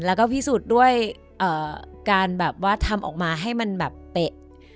แล้วก็พิสูจน์ด้วยการแบบว่าทำออกมาให้มันแบบเป๊ะ